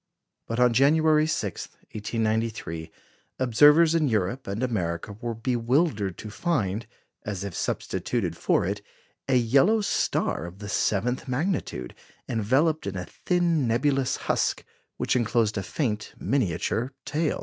" But on January 16, 1893, observers in Europe and America were bewildered to find, as if substituted for it, a yellow star of the seventh magnitude, enveloped in a thin nebulous husk, which enclosed a faint miniature tail.